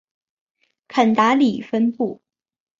肯达里分布。